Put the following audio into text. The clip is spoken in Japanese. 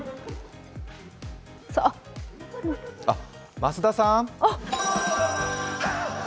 増田さーん。